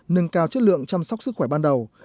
nâng cao chất lượng chăm sóc sức khỏe ban đầu